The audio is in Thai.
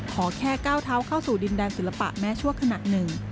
ขอแค่ก้าวเท้าเข้าสู่ดินแดนศิลปะแม้ชั่วขณะหนึ่ง